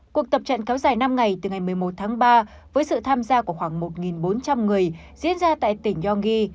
cuộc tập trận kéo dài năm ngày từ ngày một mươi một tháng ba với sự tham gia của khoảng một bốn trăm linh người diễn ra tại tỉnh yonggi